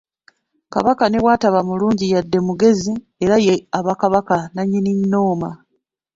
Kabaka ne bw'ataba mulungi yadde omugezi, era ye aba Kabaka nannyini nnoma.